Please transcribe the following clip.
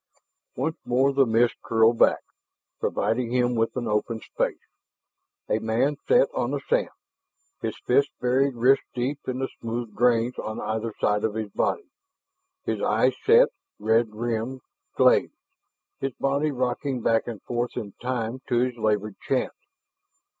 Once more the mist curled back, provided him with an open space. A man sat on the sand, his fists buried wrist deep in the smooth grains on either side of his body, his eyes set, red rimmed, glazed, his body rocking back and forth in time to his labored chant.